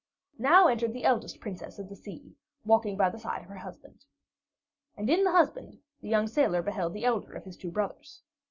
Now entered the eldest Princess of the Sea, walking by the side of her husband. And in the husband the young sailor beheld the elder of his two brothers.